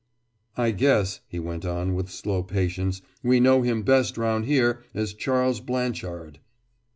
"I guess," he went on with slow patience, "we know him best round here as Charles Blanchard."